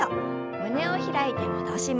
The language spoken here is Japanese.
胸を開いて戻します。